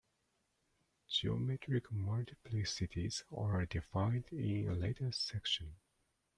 Geometric multiplicities are defined in a later section.